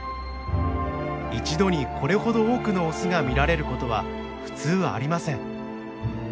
一度にこれほど多くのオスが見られることは普通ありません。